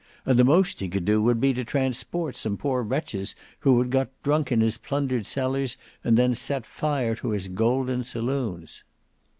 And the most he could do would be to transport some poor wretches who had got drunk in his plundered cellars and then set fire to his golden saloons."